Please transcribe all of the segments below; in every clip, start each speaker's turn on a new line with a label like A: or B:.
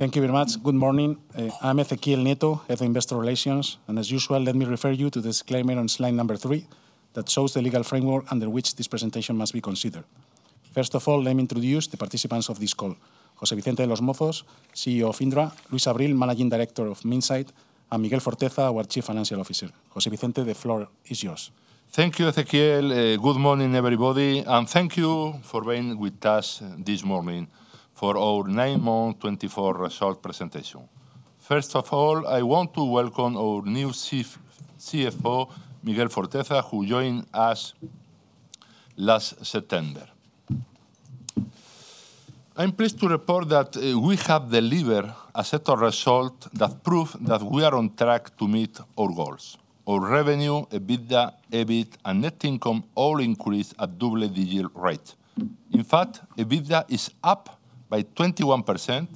A: Thank you very much. Good morning. I'm Ezequiel Nieto, Head of Investor Relations, and as usual, let me refer you to the disclaimer on slide number three that shows the legal framework under which this presentation must be considered. First of all, let me introduce the participants of this call: José Vicente de los Mozos, CEO of Indra; Luis Abril, Managing Director of Minsait; and Miguel Forteza, our Chief Financial Officer. José Vicente, the floor is yours.
B: Thank you, Ezequiel. Good morning, everybody, and thank you for being with us this morning for our nine-month 2024 results presentation. First of all, I want to welcome our new CFO, Miguel Forteza, who joined us last September. I'm pleased to report that we have delivered a set of results that prove that we are on track to meet our goals. Our revenue, EBITDA, EBIT, and net income all increased at double-digit rates. In fact, EBITDA is up by 21%,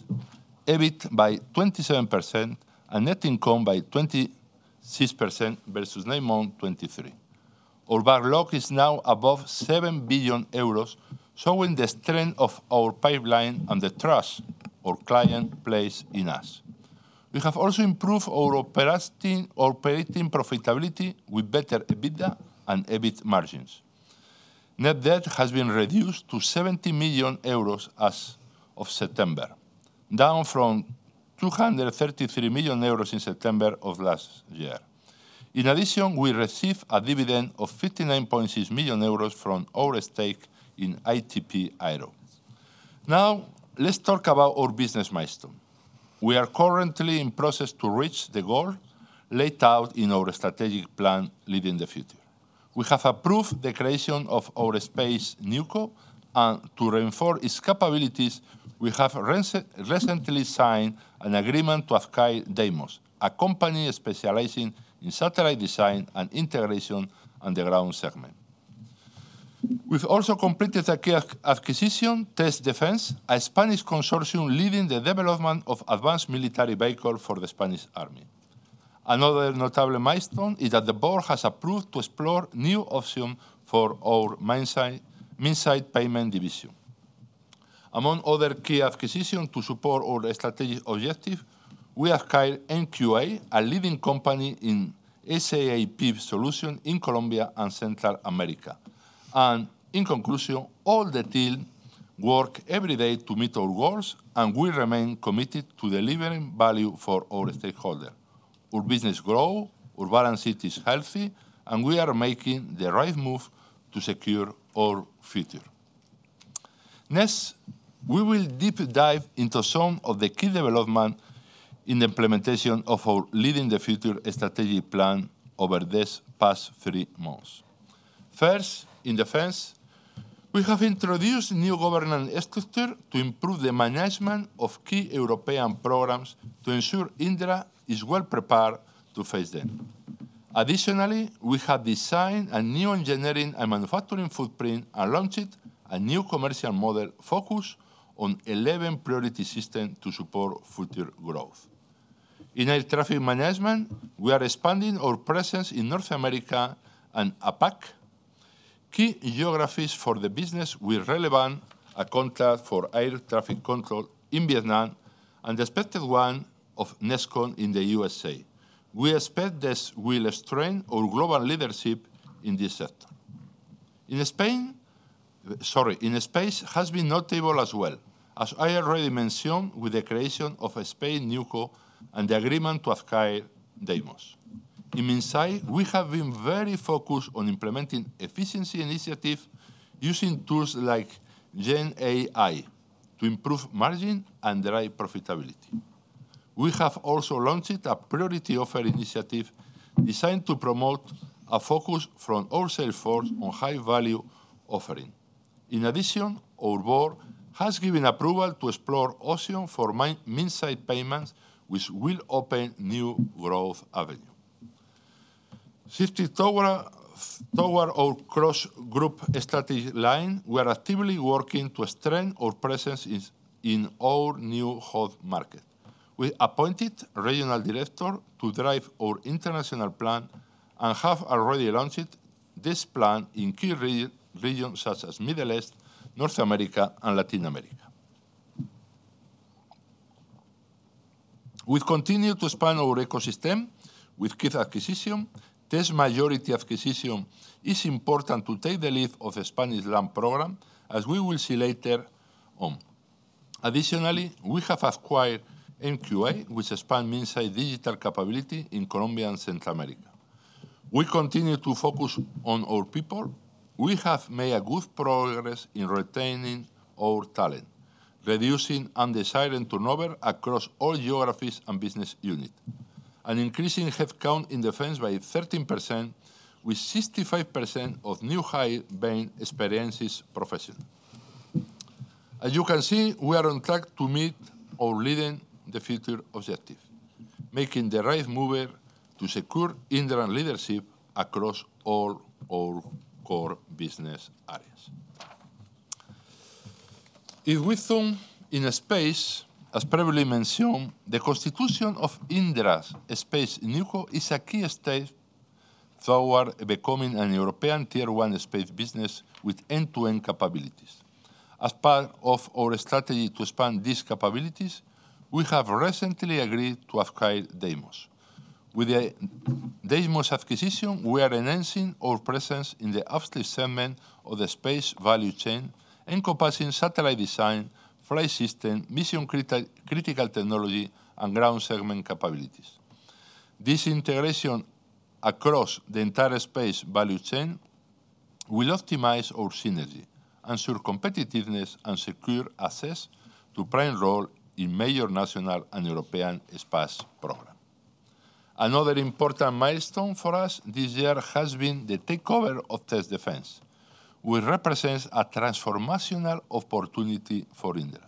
B: EBIT by 27%, and net income by 26% versus nine-month 2023. Our backlog is now above 7 billion euros, showing the strength of our pipeline and the trust our client places in us. We have also improved our operating profitability with better EBITDA and EBIT margins. Net debt has been reduced to 70 million euros as of September, down from 233 million euros in September of last year. In addition, we received a dividend of 59.6 million euros from our stake in ITP Aero. Now, let's talk about our business milestones. We are currently in the process of reaching the goal laid out in our strategic plan, Leading the Future. We have approved the creation of our space, NewCo, and to reinforce its capabilities, we have recently signed an agreement with Deimos, a company specializing in satellite design and integration on the ground segment. We've also completed a key acquisition, Test Defense, a Spanish consortium leading the development of advanced military vehicles for the Spanish Army. Another notable milestone is that the board has approved to explore new options for our Minsait payment division. Among other key acquisitions to support our strategic objectives, we have acquired MQA, a leading company in SAP solutions in Colombia and Central America. In conclusion, all the team works every day to meet our goals, and we remain committed to delivering value for our stakeholders. Our business grows, our balance sheet is healthy, and we are making the right move to secure our future. Next, we will deep dive into some of the key developments in the implementation of our Leading the Future strategic plan over these past three months. First, in defense, we have introduced new governance structures to improve the management of key European programs to ensure Indra is well prepared to face them. Additionally, we have designed a new engineering and manufacturing footprint and launched a new commercial model focused on 11 priority systems to support future growth. In air traffic management, we are expanding our presence in North America and APAC, key geographies for the business with relevant contacts for air traffic control in Vietnam and the expected one of NEXCOM in the USA. We expect this will strengthen our global leadership in this sector. In Spain, sorry, in space has been notable as well. As I already mentioned, with the creation of a Spain Newco and the agreement to acquire Deimos. In Minsait, we have been very focused on implementing efficiency initiatives using tools like GenAI to improve margin and drive profitability. We have also launched a priority offer initiative designed to promote a focus from our sales force on high-value offering. In addition, our board has given approval to explore options for Minsait payments, which will open new growth avenues. Shifting toward our cross-group strategy line, we are actively working to strengthen our presence in our new home markets. We appointed a regional director to drive our international plan and have already launched this plan in key regions such as the Middle East, North America, and Latin America. We continue to expand our ecosystem with key acquisitions. This majority acquisition is important to take the lead of the Spanish Land program, as we will see later on. Additionally, we have acquired MQA, which expands Minsait digital capabilities in Colombia and Central America. We continue to focus on our people. We have made good progress in retaining our talent, reducing unintended turnover across all geographies and business units, and increasing headcount in defense by 13%, with 65% of new hiring experienced professionals. As you can see, we are on track to meet our Leading the Future objective, making the right move to secure Indra leadership across all our core business areas. If we zoom in space, as previously mentioned, the constitution of Indra's Space NewCo is a key stage toward becoming a European Tier 1 space business with end-to-end capabilities. As part of our strategy to expand these capabilities, we have recently agreed to acquire Deimos. With the Deimos acquisition, we are enhancing our presence in the upstream segment of the space value chain, encompassing satellite design, flight system, mission-critical technology, and ground segment capabilities. This integration across the entire space value chain will optimize our synergy, ensure competitiveness, and secure access to prime roles in major national and European space programs. Another important milestone for us this year has been the takeover of Test Defense, which represents a transformational opportunity for Indra.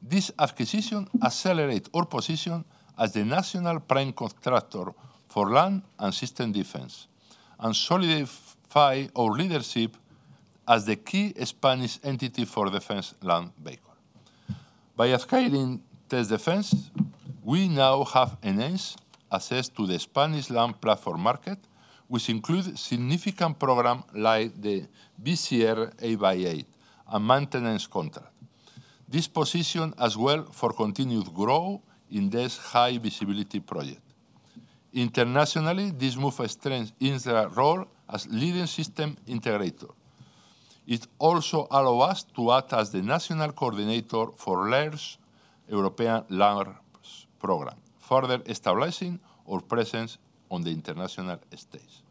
B: This acquisition accelerates our position as the national prime contractor for Land and system defense and solidifies our leadership as the key Spanish entity for defense Land vehicles. By acquiring Test Defense, we now have enhanced access to the Spanish Land platform market, which includes significant programs like the VCR 8x8 and maintenance contracts. This position as well for continued growth in this high-visibility project. Internationally, this move strengthens Indra's role as leading system integrator. It also allows us to act as the national coordinator for Large European Land Program, further establishing our presence on the international stage.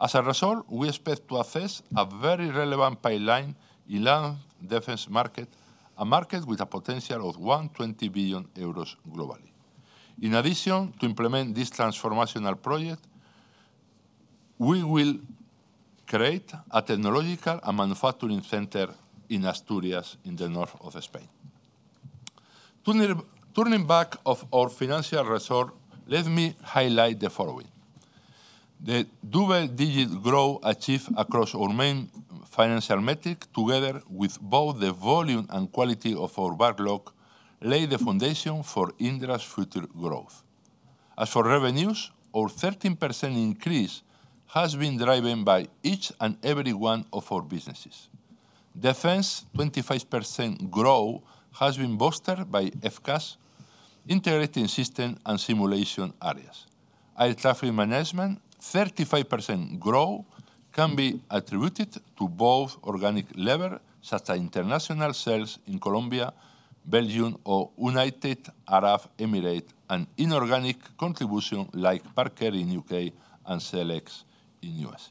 B: As a result, we expect to assess a very relevant pipeline in the Land defense market, a market with a potential of 120 billion euros globally. In addition to implementing this transformational project, we will create a technological and manufacturing center in Asturias, in the north of Spain. Turning back to our financial resources, let me highlight the following: the double-digit growth achieved across our main financial metrics, together with both the volume and quality of our backlog, lay the foundation for Indra's future growth. As for revenues, our 13% increase has been driven by each and every one of our businesses. Defense 25% growth has been bolstered by FCAS integrating system and simulation areas. Air traffic management 35% growth can be attributed to both organic leverage such as international sales in Colombia, Belgium, or the United Arab Emirates, and inorganic contributions like Park Air in the UK and SELEX in the US.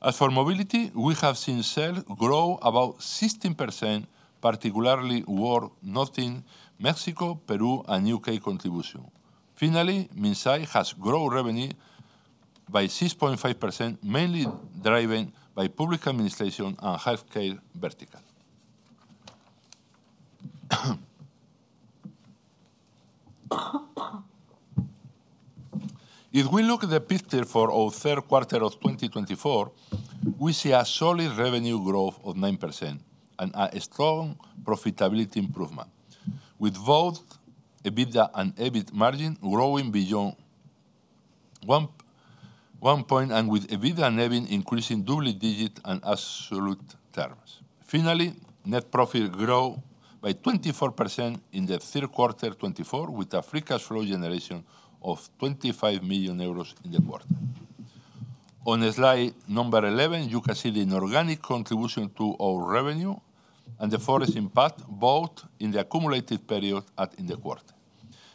B: As for mobility, we have seen sales grow about 16%, particularly working in Mexico, Peru, and the UK contribution. Finally, Minsait has grown revenue by 6.5%, mainly driven by public administration and healthcare verticals. If we look at the picture for our third quarter of 2024, we see a solid revenue growth of 9% and a strong profitability improvement, with both EBITDA and EBIT margins growing beyond one point and with EBITDA and EBIT increasing double-digit and absolute terms. Finally, net profit growth by 24% in the third quarter of 2024, with a free cash flow generation of 25 million euros in the quarter. On slide number 11, you can see the inorganic contribution to our revenue and the forex impact both in the accumulated period and in the quarter.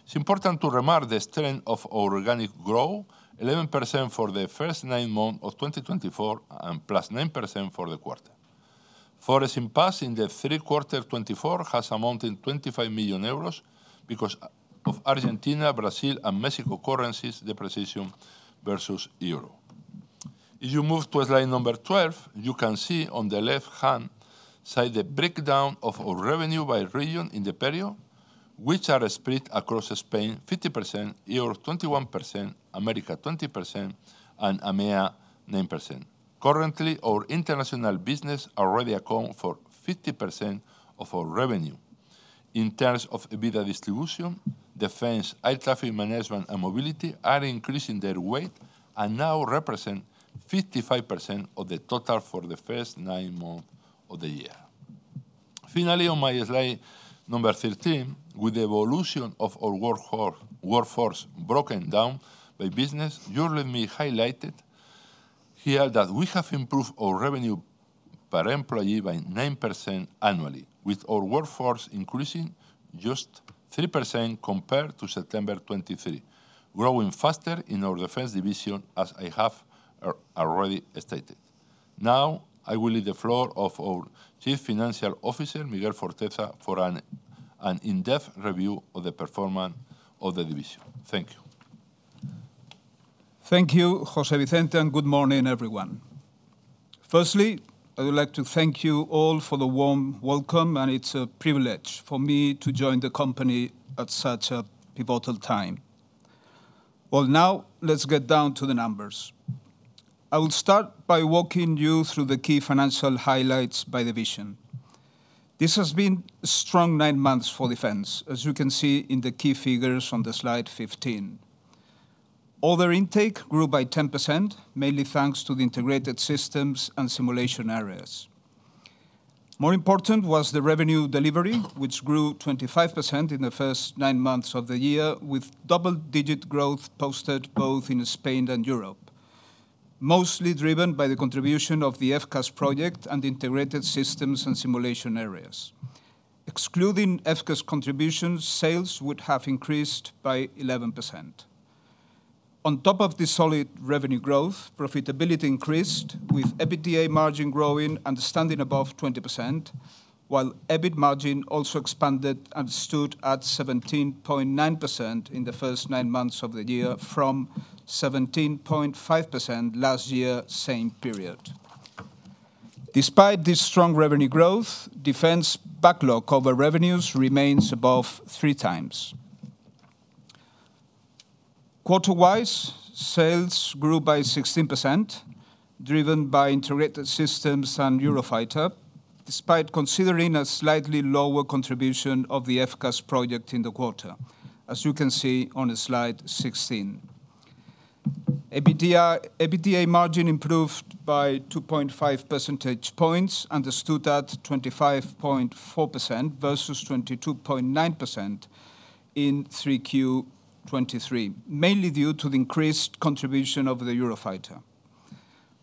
B: It's important to remark the strength of our organic growth: 11% for the first nine months of 2024 and plus 9% for the quarter. Forex impact in the third quarter of 2024 has amounted to 25 million euros because of Argentina, Brazil, and Mexico currencies, the depreciation versus euro. If you move to slide number 12, you can see on the left-hand side the breakdown of our revenue by region in the period, which are split across Spain: 50%, Europe 21%, America 20%, and EMEA 9%. Currently, our international business already accounts for 50% of our revenue. In terms of EBITDA distribution, defense, air traffic management, and mobility are increasing their weight and now represent 55% of the total for the first nine months of the year. Finally, on my slide number 13, with the evolution of our workforce broken down by business, you'll let me highlight here that we have improved our revenue per employee by 9% annually, with our workforce increasing just 3% compared to September 2023, growing faster in our defense division, as I have already stated. Now, I will leave the floor to our Chief Financial Officer, Miguel Forteza, for an in-depth review of the performance of the division. Thank you.
C: Thank you, José Vicente, and good morning, everyone. Firstly, I would like to thank you all for the warm welcome, and it's a privilege for me to join the company at such a pivotal time. Well, now let's get down to the numbers. I will start by walking you through the key financial highlights by division. This has been strong nine months for defense, as you can see in the key figures on slide 15. Order intake grew by 10%, mainly thanks to the integrated systems and simulation areas. More important was the revenue delivery, which grew 25% in the first nine months of the year, with double-digit growth posted both in Spain and Europe, mostly driven by the contribution of the EFCAS project and integrated systems and simulation areas. Excluding EFCAS contributions, sales would have increased by 11%. On top of the solid revenue growth, profitability increased, with EBITDA margin growing and standing above 20%, while EBIT margin also expanded and stood at 17.9% in the first nine months of the year from 17.5% last year, same period. Despite this strong revenue growth, defense backlog over revenues remains above three times. Quarter-wise, sales grew by 16%, driven by integrated systems and Eurofighter, despite considering a slightly lower contribution of the EFCAS project in the quarter, as you can see on slide 16. EBITDA margin improved by 2.5 percentage points and stood at 25.4% versus 22.9% in Q3/2023, mainly due to the increased contribution of the Eurofighter.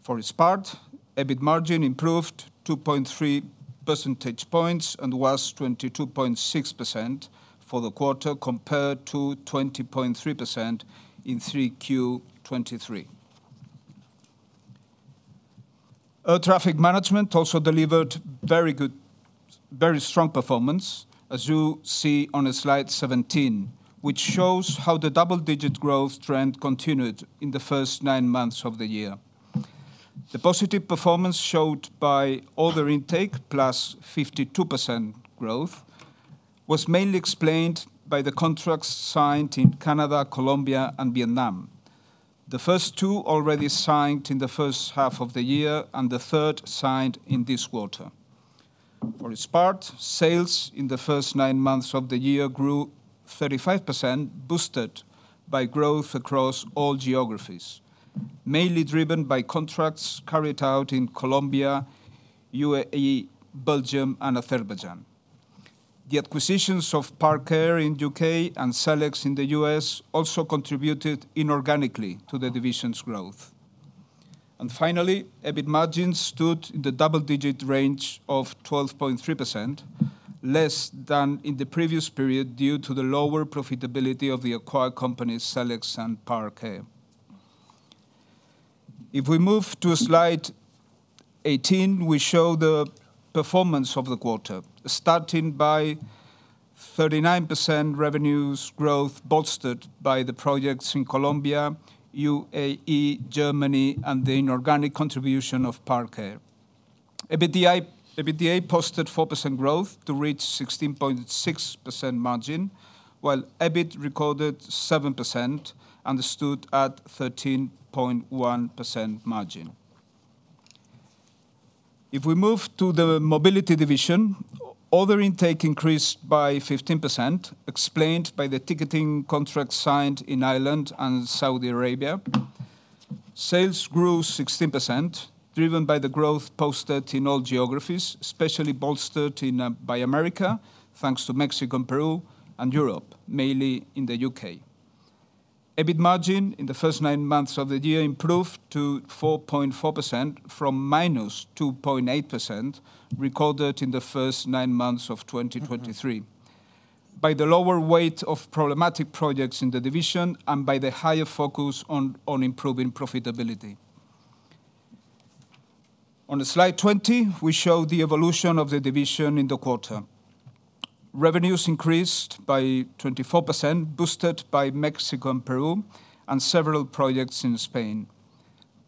C: For its part, EBIT margin improved 2.3 percentage points and was 22.6% for the quarter compared to 20.3% in Q3/2023. Air traffic management also delivered very good, very strong performance, as you see on slide 17, which shows how the double-digit growth trend continued in the first nine months of the year. The positive performance showed by order intake, plus 52% growth, was mainly explained by the contracts signed in Canada, Colombia, and Vietnam, the first two already signed in the first half of the year and the third signed in this quarter. For its part, sales in the first nine months of the year grew 35%, boosted by growth across all geographies, mainly driven by contracts carried out in Colombia, UAE, Belgium, and Azerbaijan. The acquisitions of Parker in the U.K. and SELEX in the U.S. also contributed inorganically to the division's growth. And finally, EBIT margins stood in the double-digit range of 12.3%, less than in the previous period due to the lower profitability of the acquired companies, SELEX and Parker. If we move to slide 18, we show the performance of the quarter, starting by 39% revenues growth, bolstered by the projects in Colombia, UAE, Germany, and the inorganic contribution of Parker. EBITDA posted 4% growth to reach 16.6% margin, while EBIT recorded 7% and stood at 13.1% margin. If we move to the mobility division, order intake increased by 15%, explained by the ticketing contracts signed in Ireland and Saudi Arabia. Sales grew 16%, driven by the growth posted in all geographies, especially bolstered by America, thanks to Mexico, Peru, and Europe, mainly in the UK. EBIT margin in the first nine months of the year improved to 4.4% from minus 2.8% recorded in the first nine months of 2023, by the lower weight of problematic projects in the division and by the higher focus on improving profitability. On slide 20, we show the evolution of the division in the quarter. Revenues increased by 24%, boosted by Mexico and Peru, and several projects in Spain.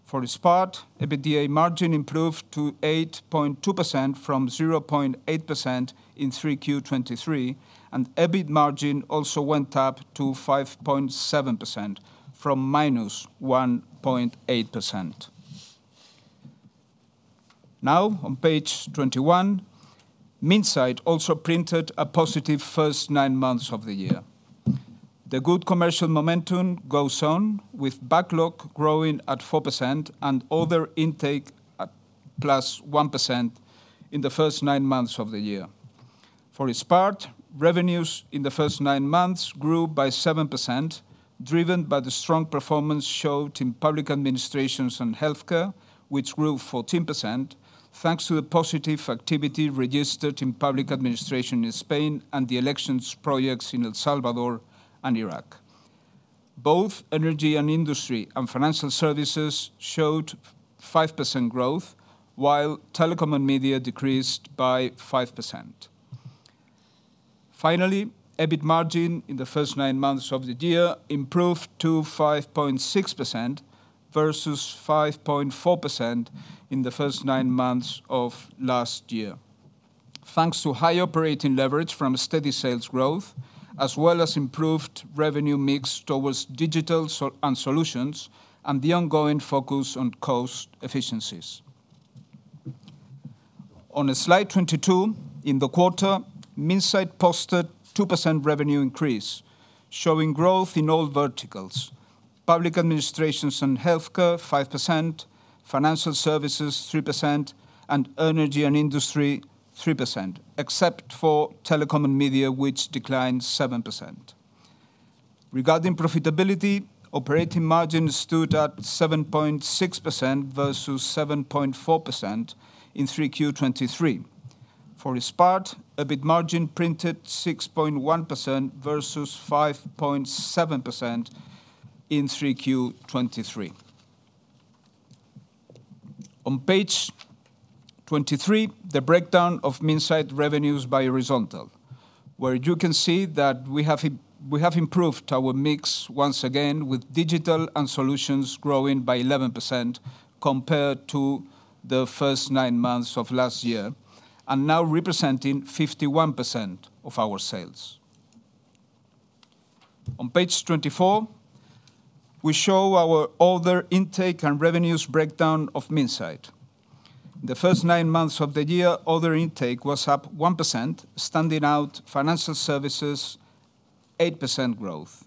C: For its part, EBITDA margin improved to 8.2% from 0.8% in Q3/23, and EBIT margin also went up to 5.7% from minus 1.8%. Now, on page 21, Minsait also printed a positive first nine months of the year. The good commercial momentum goes on, with backlog growing at 4% and order intake at plus 1% in the first nine months of the year. For its part, revenues in the first nine months grew by 7%, driven by the strong performance showed in public administrations and healthcare, which grew 14%, thanks to the positive activity registered in public administration in Spain and the elections projects in El Salvador and Iraq. Both energy and industry and financial services showed 5% growth, while telecom and media decreased by 5%. Finally, EBIT margin in the first nine months of the year improved to 5.6% versus 5.4% in the first nine months of last year, thanks to high operating leverage from steady sales growth, as well as improved revenue mix towards digital and solutions and the ongoing focus on cost efficiencies. On slide 22, in the quarter, Minsait posted 2% revenue increase, showing growth in all verticals: public administrations and healthcare 5%, financial services 3%, and energy and industry 3%, except for telecom and media, which declined 7%. Regarding profitability, operating margin stood at 7.6% versus 7.4% in Q3 2023. For its part, EBIT margin printed 6.1% versus 5.7% in Q3 2023. On page 23, the breakdown of Minsait revenues by horizontal, where you can see that we have improved our mix once again, with digital and solutions growing by 11% compared to the first nine months of last year, and now representing 51% of our sales. On page 24, we show our order intake and revenues breakdown of Minsait. In the first nine months of the year, order intake was up 1%, standing out financial services 8% growth.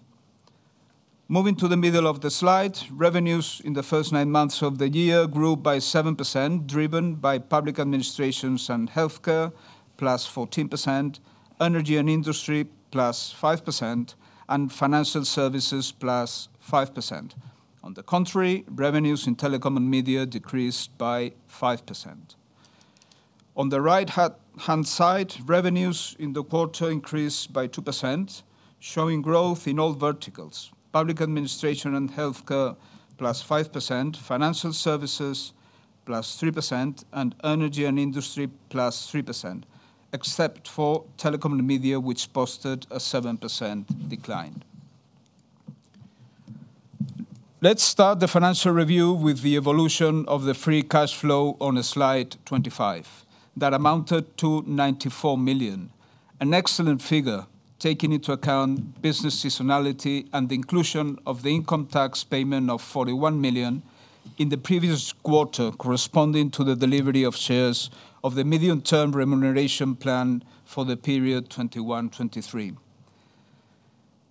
C: Moving to the middle of the slide, revenues in the first nine months of the year grew by 7%, driven by public administrations and healthcare plus 14%, energy and industry plus 5%, and financial services plus 5%. On the contrary, revenues in telecom and media decreased by 5%. On the right-hand side, revenues in the quarter increased by 2%, showing growth in all verticals: public administration and healthcare, plus 5%, financial services, plus 3%, and energy and industry, plus 3%, except for telecom and media, which posted a 7% decline. Let's start the financial review with the evolution of the free cash flow on slide 25, that amounted to 94 million, an excellent figure taking into account business seasonality and the inclusion of the income tax payment of 41 million in the previous quarter, corresponding to the delivery of shares of the medium-term remuneration plan for the period 2021/2023.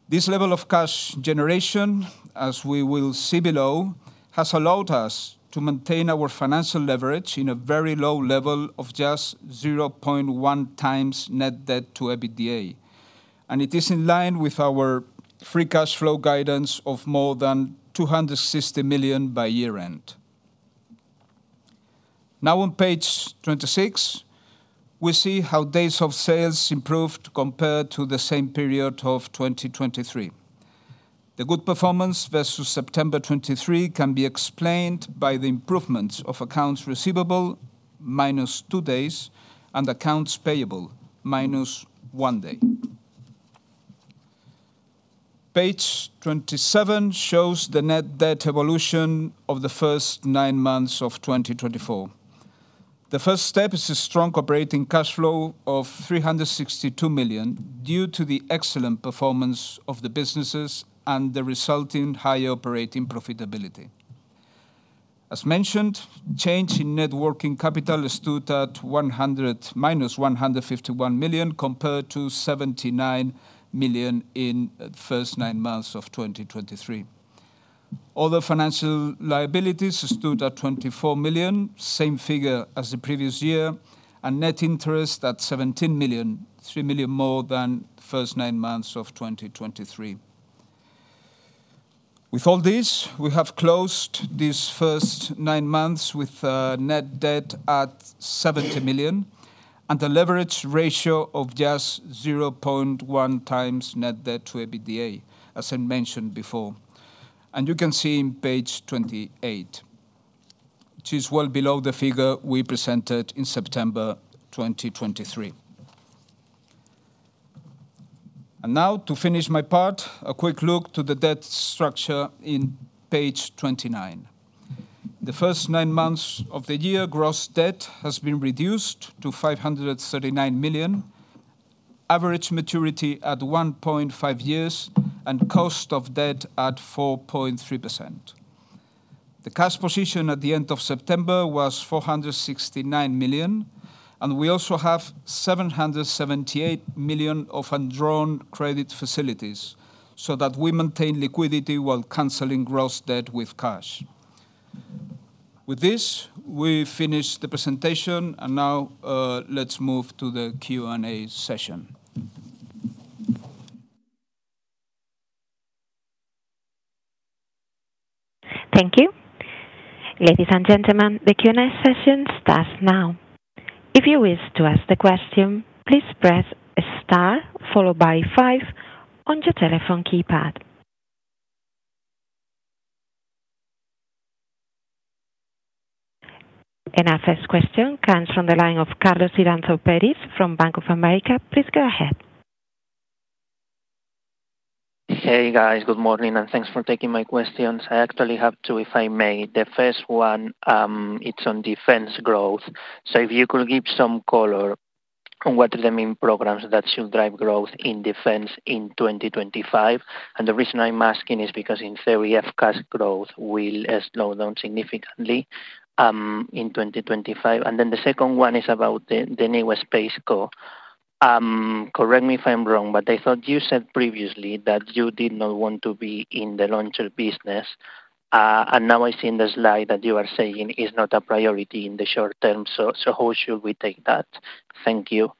C: This level of cash generation, as we will see below, has allowed us to maintain our financial leverage in a very low level of just 0.1 times net debt to EBITDA, and it is in line with our free cash flow guidance of more than 260 million by year-end. Now, on page 26, we see how days of sales improved compared to the same period of 2023. The good performance versus September 2023 can be explained by the improvement of accounts receivable minus two days and accounts payable minus one day. Page 27 shows the net debt evolution of the first nine months of 2024. The first step is a strong operating cash flow of 362 million due to the excellent performance of the businesses and the resulting higher operating profitability. As mentioned, change in net working capital stood at minus 151 million compared to 79 million in the first nine months of 2023. Other financial liabilities stood at 24 million, same figure as the previous year, and net interest at 17 million, three million more than the first nine months of 2023. With all this, we have closed these first nine months with net debt at 70 million and a leverage ratio of just 0.1 times net debt to EBITDA, as I mentioned before, and you can see in page 28, which is well below the figure we presented in September 2023, and now to finish my part, a quick look to the debt structure in page 29. The first nine months of the year, gross debt has been reduced to 539 million, average maturity at 1.5 years, and cost of debt at 4.3%. The cash position at the end of September was 469 million, and we also have 778 million of withdrawn credit facilities, so that we maintain liquidity while canceling gross debt with cash. With this, we finish the presentation, and now let's move to the Q&A session. Thank you. Ladies and gentlemen, the Q&A session starts now.
D: If you wish to ask the question, please press star followed by five on your telephone keypad. And our first question comes from the line of Carlos Iranzo from Bank of America. Please go ahead. Hey, guys. Good morning, and thanks for taking my questions. I actually have two, if I may. The first one, it's on defense growth. So if you could give some color on what are the main programs that should drive growth in defense in 2025? And the reason I'm asking is because, in theory, FCAS growth will slow down significantly in 2025. And then the second one is about the new space core. Correct me if I'm wrong, but I thought you said previously that you did not want to be in the launcher business. And now I see in the slide that you are saying it's not a priority in the short term. So how should we take that? Thank you.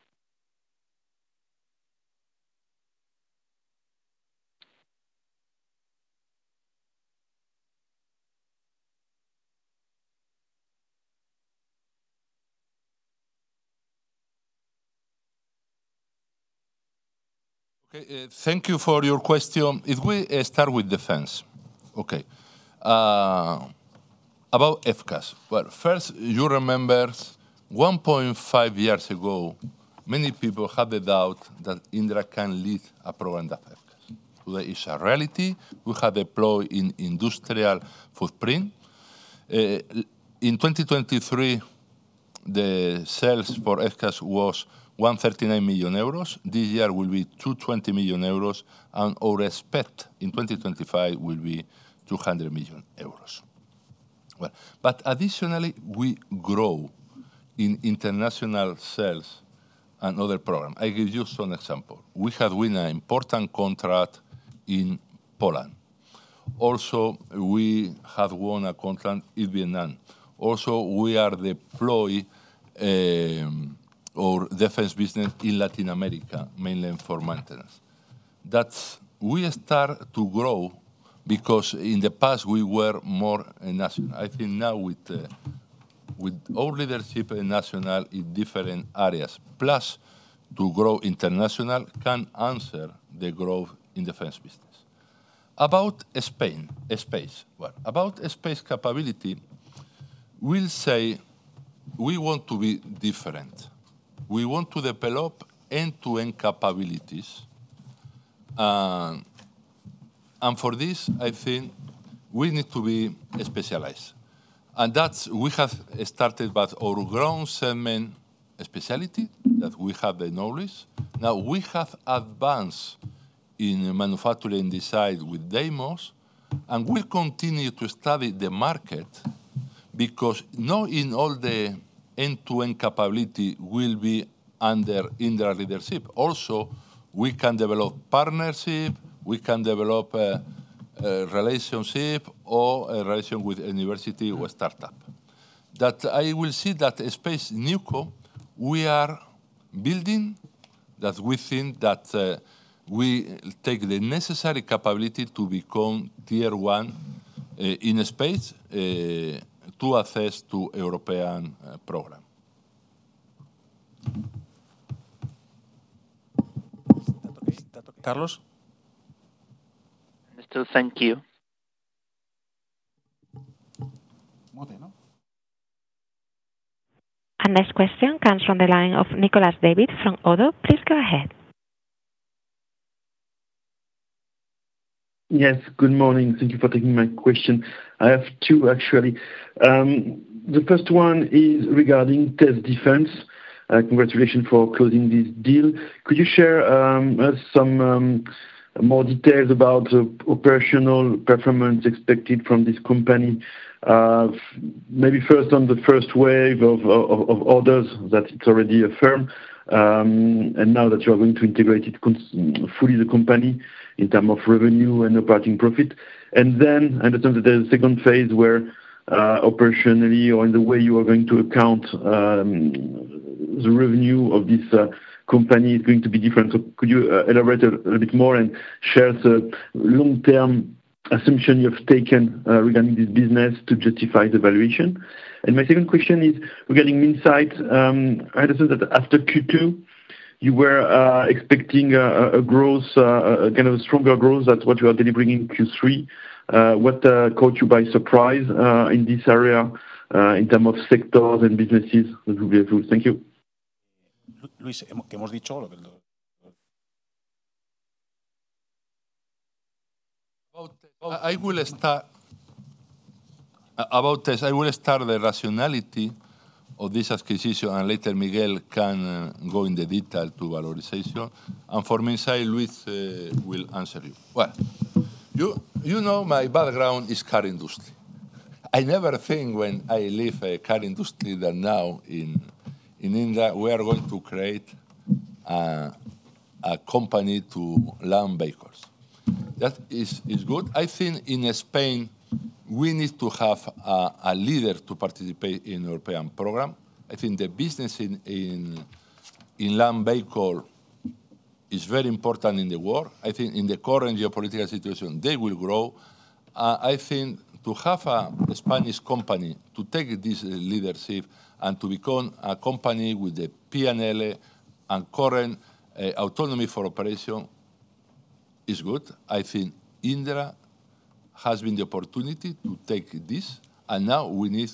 D: Okay.
C: Thank you for your question. If we start with defense, okay, about FCAS. Well, first, you remember 1.5 years ago, many people had the doubt that Indra can lead a program that FCAS. Today, it is a reality. We have deployed in industrial footprint. In 2023, the sales for FCAS was 139 million euros. This year, it will be 220 million euros, and our expected in 2025 will be 200 million euros. But additionally, we grow in international sales and other programs. I give you some examples. We have won an important contract in Poland. Also, we have won a contract in Vietnam. Also, we are deploying our defense business in Latin America, mainly for maintenance. That is why we start to grow because in the past, we were more national. I think now, with our national leadership in different areas, plus to grow internationally can answer the growth in defense business. About space in Spain. Well, about space capability, we'll say we want to be different. We want to develop end-to-end capabilities, and for this, I think we need to be specialized. And that's we have started with our ground segment specialty that we have the knowledge. Now, we have advanced in manufacturing design with Deimos, and we continue to study the market because not in all the end-to-end capability will be under Indra's leadership. Also, we can develop partnership. We can develop a relationship or a relation with a university or startup. That, I will see, that space newco we are building that we think we take the necessary capability to become tier one in space to access European program. Carlos. Thank you.
D: Our next question comes from the line of Nicolas David from Oddo. Please go ahead.
E: Yes. Good morning. Thank you for taking my question. I have two, actually. The first one is regarding its defense. Congratulations for closing this deal. Could you share some more details about the operational performance expected from this company? Maybe first on the first wave of orders that it's already a firm, and now that you are going to integrate it fully, the company in terms of revenue and operating profit. And then I understand that there's a second phase where operationally or in the way you are going to account the revenue of this company is going to be different. So could you elaborate a little bit more and share the long-term assumption you have taken regarding this business to justify the valuation? And my second question is regarding Minsait. I understand that after Q2, you were expecting a growth, kind of a stronger growth than what you are delivering in Q3. What caught you by surprise in this area in terms of sectors and businesses? That would be helpful. Thank you.
B: I will start the rationale of this acquisition, and later Miguel can go into detail on valuation. For Minsait, Luis will answer you. You know my background is car industry. I never think when I leave a car industry that now in Indra, we are going to create a company to land vehicles. That is good. I think in Spain, we need to have a leader to participate in European program. I think the business in land vehicle is very important in the world. I think in the current geopolitical situation, they will grow. I think to have a Spanish company to take this leadership and to become a company with the P&L and current autonomy for operation is good. I think Indra has been the opportunity to take this, and now we need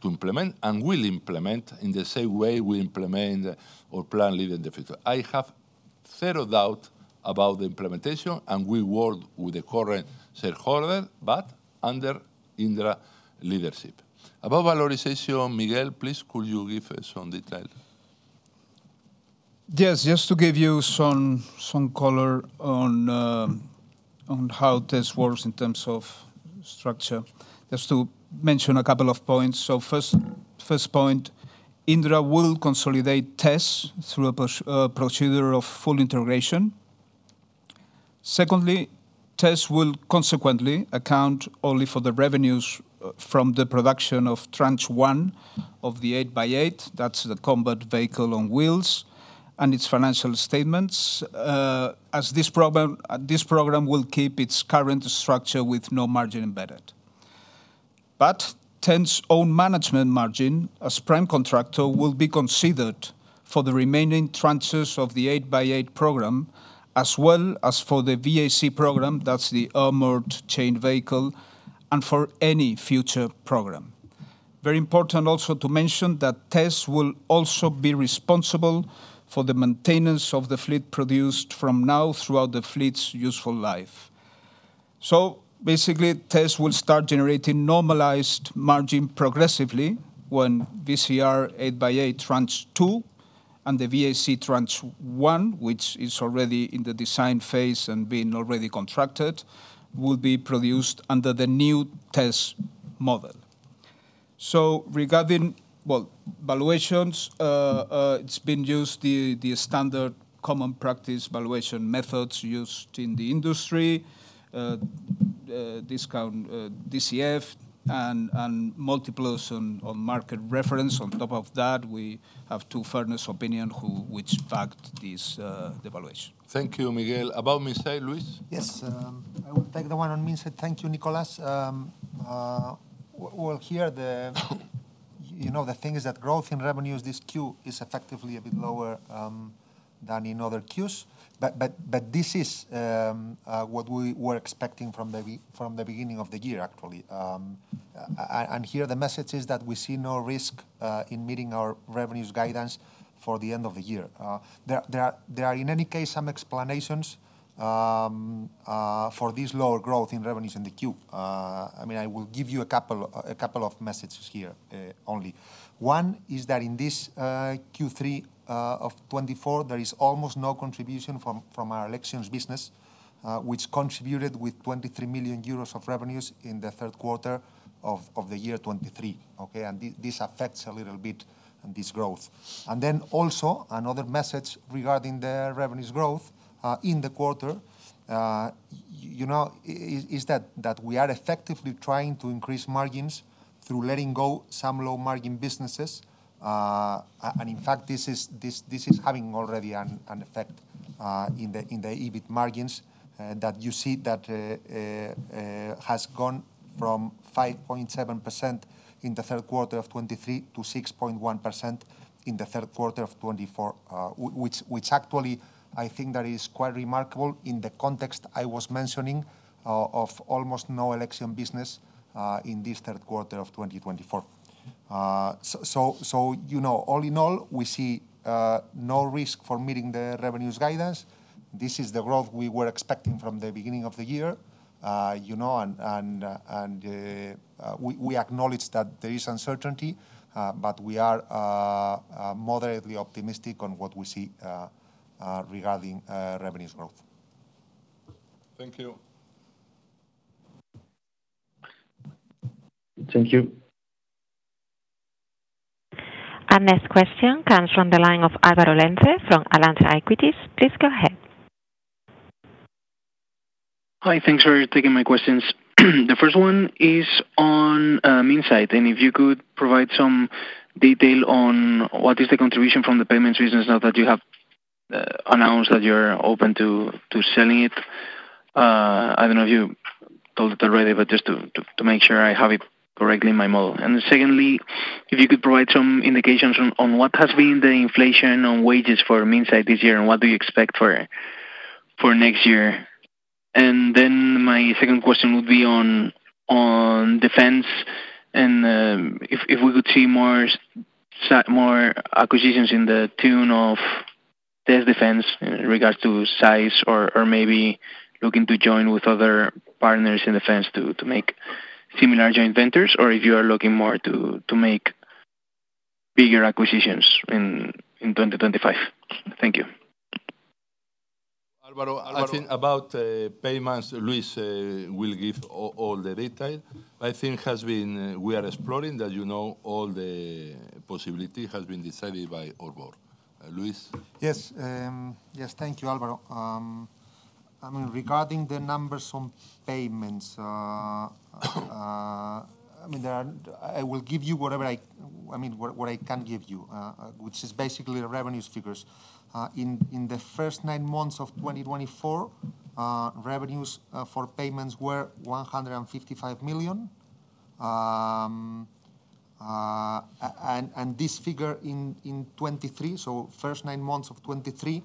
B: to implement and will implement in the same way we implement or plan leading the future. I have zero doubt about the implementation, and we work with the current shareholder, but under Indra leadership. About valuation, Miguel, please could you give some detail?
F: Yes. Just to give you some color on how test works in terms of structure, just to mention a couple of points. So first point, Indra will consolidate tests through a procedure of full integration. Secondly, Tess will consequently account only for the revenues from the production of tranche one of the eight by eight. That's the combat vehicle on wheels and its financial statements, as this program will keep its current structure with no margin embedded. But Indra's own management margin as prime contractor will be considered for the remaining tranches of the eight by eight program, as well as for the VAC program, that's the armored chain vehicle, and for any future program. Very important also to mention that Indra's will also be responsible for the maintenance of the fleet produced from now throughout the fleet's useful life. So basically, Indra's will start generating normalized margin progressively when VCR eight by eight tranche two and the VAC tranche one, which is already in the design phase and being already contracted, will be produced under the new Indra model. So regarding, well, valuations, it's been used the standard common practice valuation methods used in the industry, discount DCF, and multiples on market reference. On top of that, we have two fairness opinions which backed this devaluation. Thank you, Miguel.
B: About Minsait, Luis?
G: Yes. I will take the one on Minsait. Thank you, Nicolás. Well, here, the thing is that growth in revenues, this Q is effectively a bit lower than in other Qs. But this is what we were expecting from the beginning of the year, actually. And here, the message is that we see no risk in meeting our revenues guidance for the end of the year. There are, in any case, some explanations for this lower growth in revenues in the Q. I mean, I will give you a couple of messages here only. One is that in this Q3 of 2024, there is almost no contribution from our elections business, which contributed with 23 million euros of revenues in the third quarter of the year 2023. Okay? This affects a little bit this growth. Then also, another message regarding the revenues growth in the quarter is that we are effectively trying to increase margins through letting go some low margin businesses. In fact, this is having already an effect in the EBIT margins that you see that has gone from 5.7% in the third quarter of 2023 to 6.1% in the third quarter of 2024, which actually, I think that is quite remarkable in the context I was mentioning of almost no election business in this third quarter of 2024. All in all, we see no risk for meeting the revenues guidance. This is the growth we were expecting from the beginning of the year. We acknowledge that there is uncertainty, but we are moderately optimistic on what we see regarding revenues growth. Thank you. Thank you.
D: Our next question comes from the line of Álvaro Lenze from Alantra Equities. Please go ahead.
H: Hi. Thanks for taking my questions. The first one is on Minsait. And if you could provide some detail on what is the contribution from the payments business now that you have announced that you're open to selling it? I don't know if you told it already, but just to make sure I have it correctly in my model. And secondly, if you could provide some indications on what has been the inflation on wages for Minsait this year and what do you expect for next year? And then my second question would be on defense and if we could see more acquisitions in the tune of that defense in regards to size or maybe looking to join with other partners in defense to make similar joint ventures or if you are looking more to make bigger acquisitions in 2025. Thank you.
B: Álvaro, I think about payments, Luis will give all the detail. I think we are exploring that all the possibility has been decided by order. Luis?
G: Yes. Yes. Thank you, Álvaro. I mean, regarding the numbers on payments, I mean, I will give you whatever I mean, what I can give you, which is basically the revenues figures. In the first nine months of 2024, revenues for payments were 155 million. And this figure in 2023, so first nine months of 2023,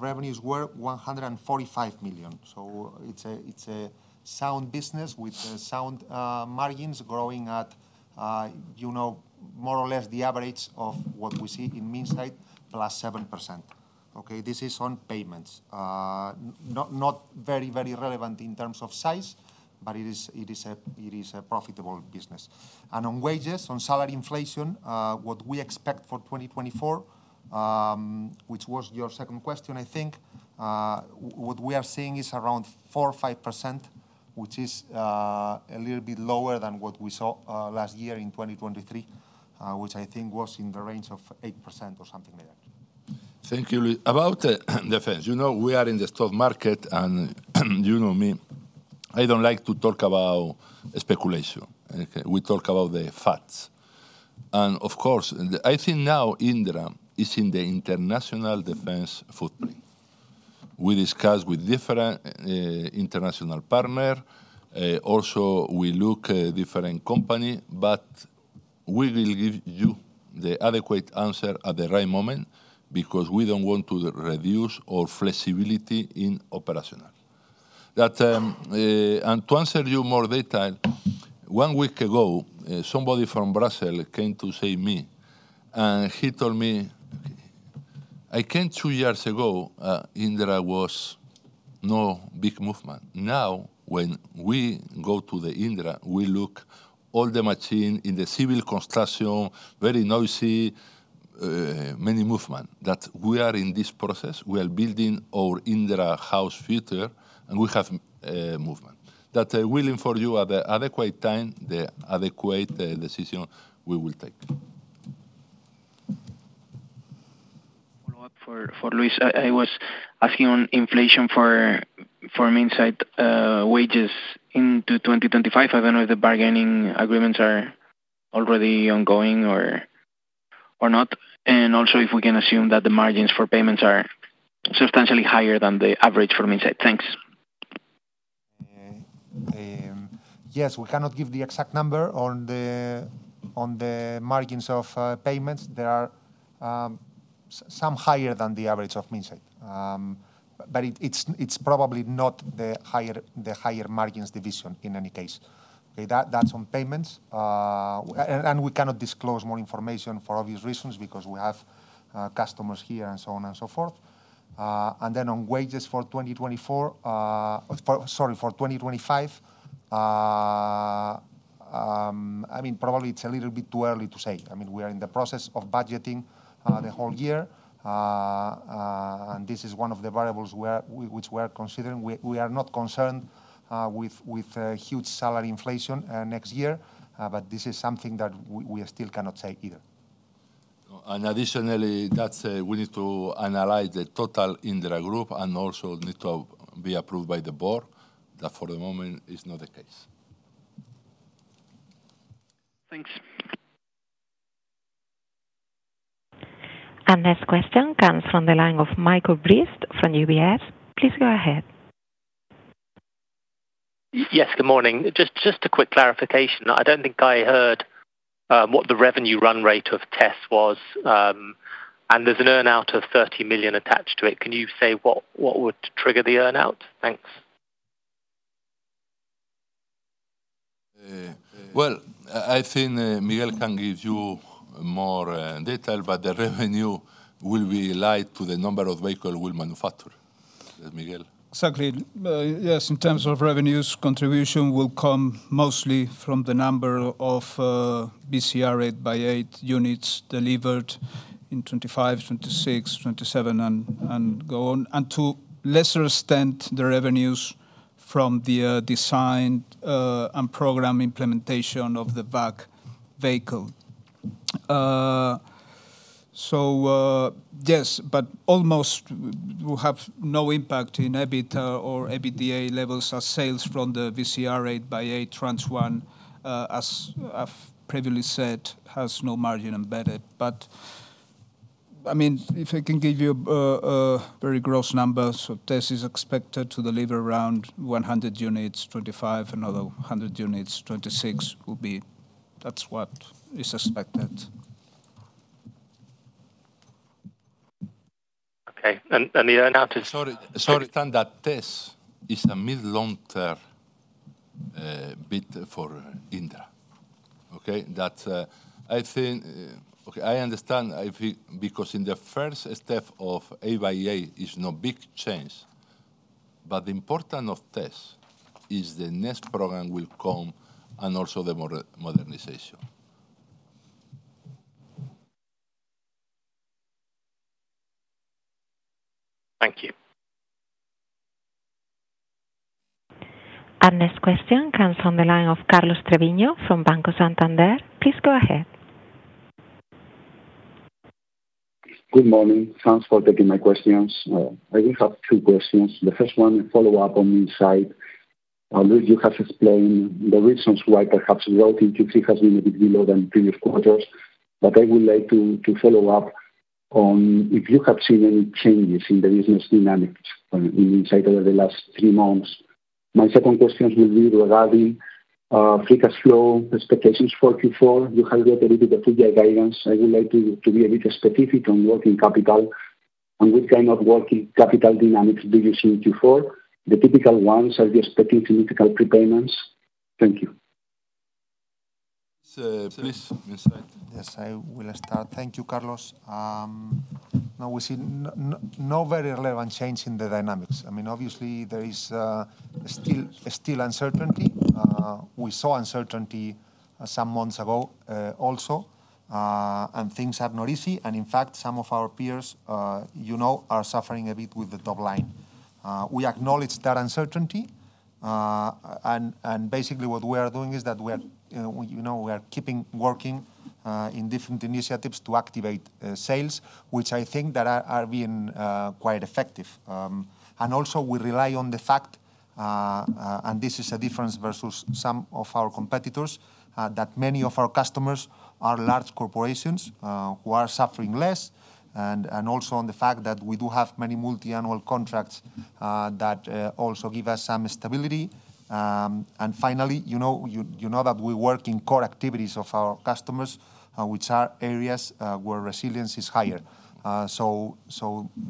G: revenues were 145 million. So it's a sound business with sound margins growing at more or less the average of what we see in Minsait plus 7%. Okay? This is on payments. Not very, very relevant in terms of size, but it is a profitable business. And on wages, on salary inflation, what we expect for 2024, which was your second question, I think what we are seeing is around 4%, 5%, which is a little bit lower than what we saw last year in 2023, which I think was in the range of 8% or something like that.
B: Thank you, Luis. About defense, we are in the stock market, and you know me. I don't like to talk about speculation. We talk about the facts. And of course, I think now Indra is in the international defense footprint. We discuss with different international partners. Also, we look at different companies, but we will give you the adequate answer at the right moment because we don't want to reduce our flexibility in operational. And to answer you more detail, one week ago, somebody from Brussels came to see me, and he told me, "I came two years ago. Indra was no big movement. Now, when we go to the Indra, we look at all the machines in the civil construction, very noisy, many movements. That we are in this process. We are building our Indra house future, and we have movement. That will inform you at the adequate time, the adequate decision we will take."
H: Follow up for Luis. I was asking on inflation for Minsait wages into 2025. I don't know if the bargaining agreements are already ongoing or not.
G: And also, if we can assume that the margins for payments are substantially higher than the average for Minsait. Thanks. Yes. We cannot give the exact number on the margins of payments. They are somewhat higher than the average of Minsait. But it's probably not the higher margins division in any case. Okay? That's on payments. And we cannot disclose more information for obvious reasons because we have customers here and so on and so forth. And then on wages for 2024, sorry, for 2025, I mean, probably it's a little bit too early to say. I mean, we are in the process of budgeting the whole year. And this is one of the variables which we are considering. We are not concerned with huge salary inflation next year, but this is something that we still cannot say either.
B: Additionally, that we need to analyze the total Indra group and also need to be approved by the board. That, for the moment, is not the case. Thanks.
D: Our next question comes from the line of Michael Briest from UBS. Please go ahead.
I: Yes. Good morning. Just a quick clarification. I don't think I heard what the revenue run rate of tests was. There's an earnout of 30 million attached to it. Can you say what would trigger the earnout? Thanks.
B: Well, I think Miguel can give you more detail, but the revenue will be tied to the number of vehicles we'll manufacture. Miguel.
F: Exactly. Yes. In terms of revenues, contribution will come mostly from the number of BCR eight by eight units delivered in 2025, 2026, 2027, and go on. To lesser extent, the revenues from the design and program implementation of the VAC vehicle. So yes, but almost we have no impact in EBIT or EBITDA levels as sales from the VCR eight by eight tranche one, as I've previously said, has no margin embedded. But I mean, if I can give you a very gross number, so test is expected to deliver around 100 units, 2025, another 100 units, 2026. That's what is expected. Okay. And the earnout is. So I understand that test is a mid-long-term bid for Indra. Okay? I understand because in the first step of eight by eight, it's no big change. But the importance of test is the next program will come and also the modernization.
D: Thank you. Our next question comes from the line of Carlos Treviño from Banco Santander. Please go ahead. Good morning.
J: Thanks for taking my questions. I will have two questions. The first one, a follow-up on insight. Luis, you have explained the reasons why perhaps growth in Q3 has been a bit below than previous quarters. But I would like to follow up on if you have seen any changes in the business dynamics in sight over the last three months. My second question will be regarding free cash flow expectations for Q4. You highlighted a little bit of the guidance. I would like to be a bit specific on working capital and what kind of working capital dynamics do you see in Q4? The typical ones are you expecting significant prepayments? Thank you.
G: Yes. I will start. Thank you, Carlos. No, we see no very relevant change in the dynamics. I mean, obviously, there is still uncertainty. We saw uncertainty some months ago also, and things are not easy. And in fact, some of our peers are suffering a bit with the top line. We acknowledge that uncertainty. And basically, what we are doing is that we are keeping working in different initiatives to activate sales, which I think that are being quite effective. And also, we rely on the fact, and this is a difference versus some of our competitors, that many of our customers are large corporations who are suffering less. And also on the fact that we do have many multi-annual contracts that also give us some stability. And finally, you know that we work in core activities of our customers, which are areas where resilience is higher. So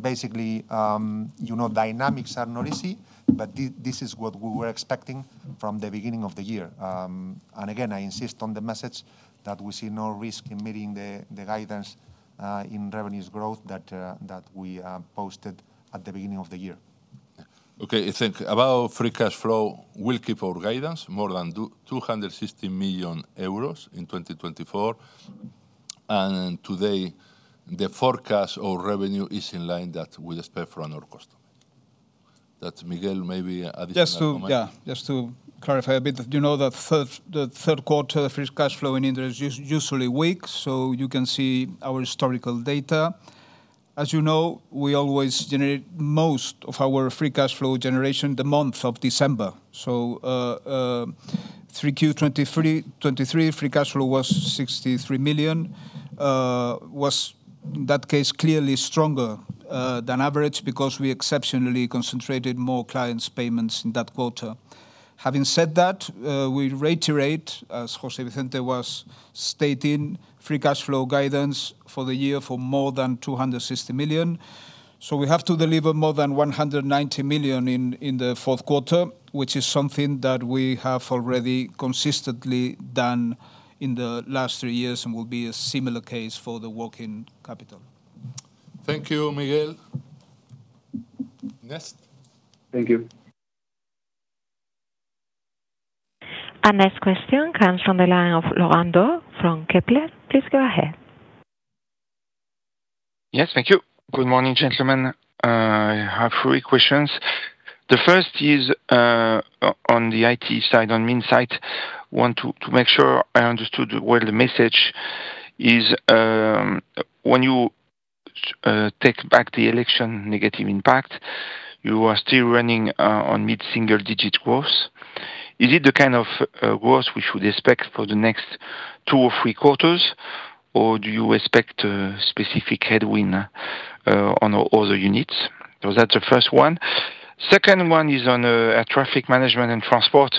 G: basically, dynamics are not easy, but this is what we were expecting from the beginning of the year. And again, I insist on the message that we see no risk in meeting the guidance in revenues growth that we posted at the beginning of the year. Okay.
B: I think about free cash flow. We'll keep our guidance more than 260 million euros in 2024. Today, the forecast of revenue is in line that we expect from our customers. That's Miguel. Maybe additional comment.
I: Just to clarify a bit, the third quarter free cash flow in Indra is usually weak, so you can see our historical data. As you know, we always generate most of our free cash flow generation the month of December. So 3Q23, free cash flow was 63 million, was in that case clearly stronger than average because we exceptionally concentrated more clients' payments in that quarter. Having said that, we reiterate, as José Vicente was stating, free cash flow guidance for the year for more than 260 million.
B: So we have to deliver more than 190 million in the fourth quarter, which is something that we have already consistently done in the last three years and will be a similar case for the working capital. Thank you, Miguel. Next. Thank you.
D: Our next question comes from the line of Laurent Daure from Kepler. Please go ahead. Yes. Thank you. Good morning, gentlemen. I have three questions. The first is on the IT side, on Minsait. I want to make sure I understood well the message is when you take back the election negative impact, you are still running on mid-single-digit growth. Is it the kind of growth we should expect for the next two or three quarters, or do you expect specific headwind on all the units? So that's the first one. Second one is on traffic management and transport.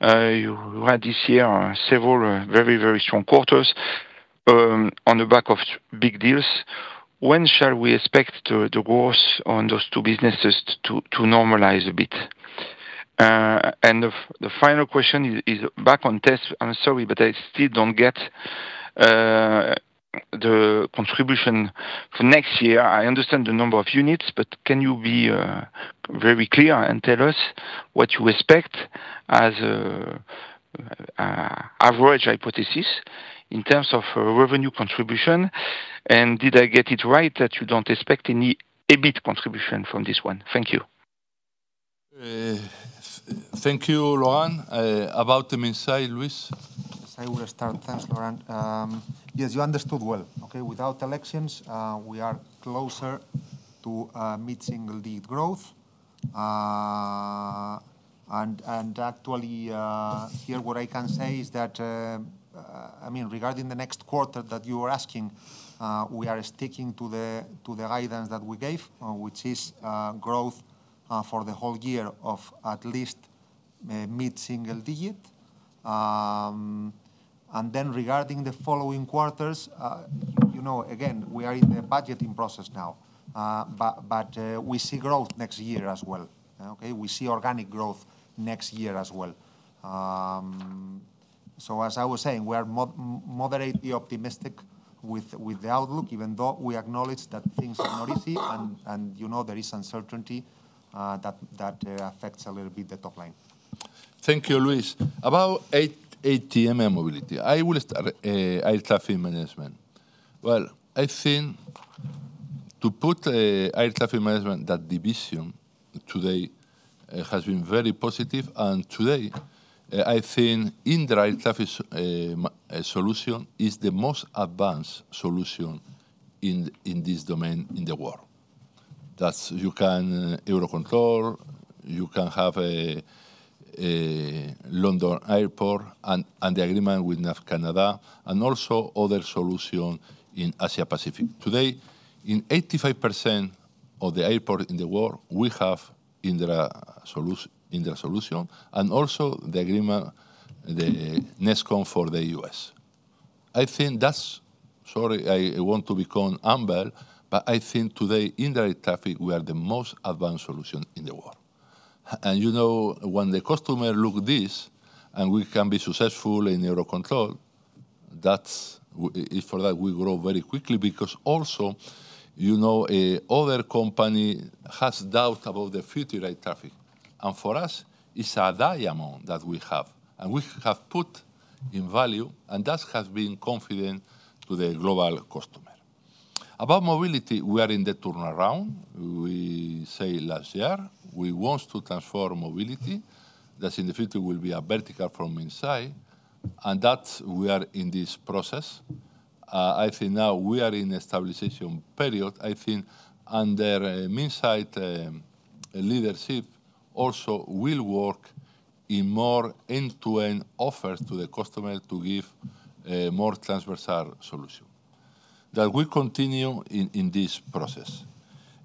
B: You had this year several very, very strong quarters on the back of big deals. When shall we expect the growth on those two businesses to normalize a bit? And the final question is back on tests. I'm sorry, but I still don't get the contribution for next year. I understand the number of units, but can you be very clear and tell us what you expect as an average hypothesis in terms of revenue contribution? And did I get it right that you don't expect any EBIT contribution from this one? Thank you. Thank you, Laurent. About the Minsait side, Luis? I will start. Thanks, Laurent. Yes, you understood well. Okay? Without elections, we are closer to mid-single-digit growth. Actually, here, what I can say is that, I mean, regarding the next quarter that you were asking, we are sticking to the guidance that we gave, which is growth for the whole year of at least mid-single-digit. Then regarding the following quarters, again, we are in the budgeting process now, but we see growth next year as well. Okay? We see organic growth next year as well. So as I was saying, we are moderately optimistic with the outlook, even though we acknowledge that things are not easy and there is uncertainty that affects a little bit the top line. Thank you, Luis. About ATM mobility. I will start air traffic management. Well, I think to put air traffic management, that division today has been very positive. And today, I think Indra Air Traffic Solution is the most advanced solution in this domain in the world. You can Eurocontrol, you can have London Airport and the agreement with NAF Canada, and also other solutions in Asia-Pacific. Today, in 85% of the airports in the world, we have Indra Solution and also the agreement, the NEXCOM for the US. I think that's sorry, I want to become humble, but I think today, Indra Air Traffic, we are the most advanced solution in the world. And when the customer looks at this and we can be successful in Eurocontrol, that's for that we grow very quickly because also other companies have doubts about the future air traffic. And for us, it's a diamond that we have and we have put in value, and that has been confident to the global customer. About mobility, we are in the turnaround. We say last year, we want to transform mobility. That's in the future will be a vertical from Minsait. That's where we are in this process. I think now we are in the stabilization period. I think under Minsait leadership, also we'll work in more end-to-end offers to the customer to give more transversal solution. We continue in this process.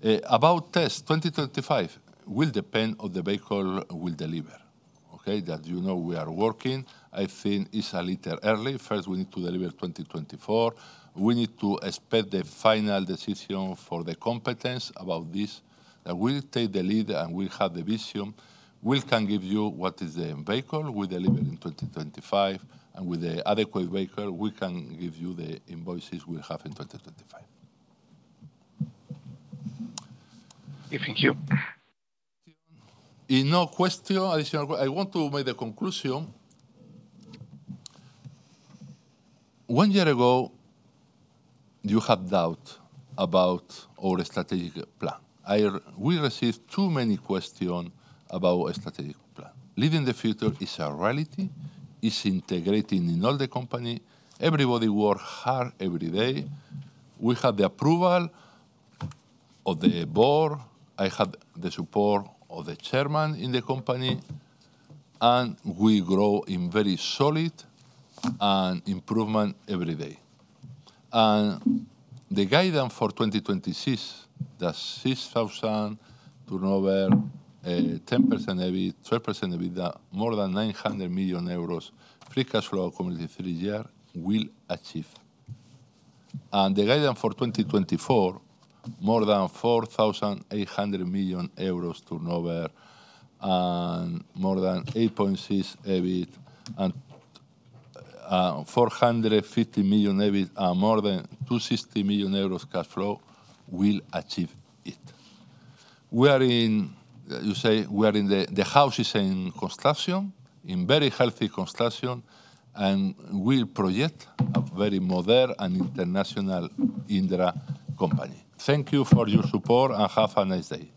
B: About 2025, it will depend on the vehicle we'll deliver. Okay? We are working. I think it's a little early. First, we need to deliver 2024. We need to expect the final decision for the competition about this. We take the lead and we have the vision. We can give you what is the vehicle we deliver in 2025. With the adequate vehicle, we can give you the revenues we have in 2025. Thank you. Any questions? I want to make the conclusion. One year ago, you had doubts about our strategic plan. We received too many questions about our strategic plan. Leading the future is a reality. It's integrating in all the company. Everybody works hard every day. We have the approval of the board. I had the support of the chairman in the company. We grow in very solid and improvement every day. The guidance for 2026, that's 6,000 turnover, 10% EBIT, 12% EBITDA, more than 900 million euros free cash flow accumulated three years will achieve. The guidance for 2024, more than 4,800 million euros turnover, and more than 8.6 EBIT, and 450 million EBIT, and more than 260 million euros cash flow will achieve it. You see, we are in the house. It is in construction, in very healthy construction, and we project a very modern and international Indra company. Thank you for your support and have a nice day.